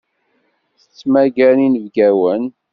Tettmagar inebgawen.